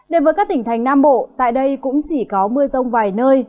đến với các tỉnh thành nam bộ tại đây cũng chỉ có mưa rông vài nơi